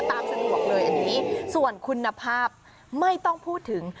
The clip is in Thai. ตามสิ่งที่บอกเลยอันนี้ส่วนคุณภาพไม่ต้องพูดถึง